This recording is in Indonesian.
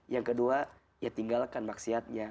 yang kedua ya tinggalkan maksiatnya